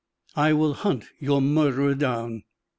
"I will hunt your murderer down."